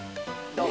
どう？